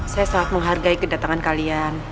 saya sangat menghargai kedatangan kalian